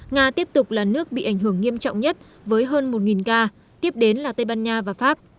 nga tiếp tục là nước bị ảnh hưởng nghiêm trọng nhất với hơn một ca tiếp đến là tây ban nha và pháp